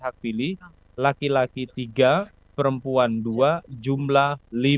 hak pilih laki laki tiga perempuan dua jumlah lima